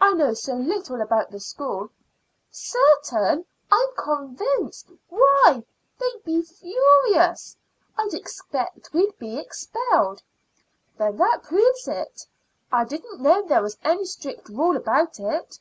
I know so little about the school." "Certain? I'm convinced. Why, they'd be furious. I expect we'd be expelled." "Then that proves it. I didn't know there was any strict rule about it."